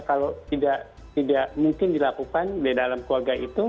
kalau tidak mungkin dilakukan di dalam keluarga itu